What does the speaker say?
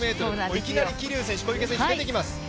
いきなり桐生選手、小池選手出てきます。